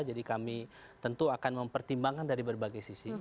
jadi kami tentu akan mempertimbangkan dari berbagai sisi